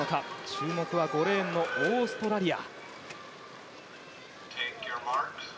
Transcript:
注目は５レーンのオーストラリア。